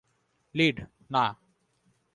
Lead, না।